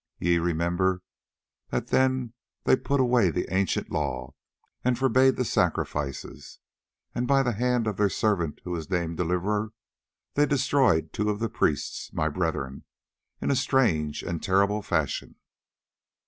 Ye remember that then they put away the ancient law and forbade the sacrifices, and by the hand of their servant who is named Deliverer, they destroyed two of the priests, my brethren, in a strange and terrible fashion.